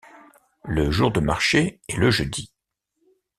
Le jour de marché est le jeudi.